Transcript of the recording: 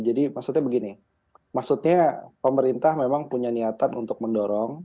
jadi maksudnya begini maksudnya pemerintah memang punya niatan untuk mendorong